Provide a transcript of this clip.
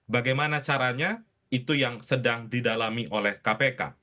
bagaimana caranya itu yang sedang didalami oleh kpk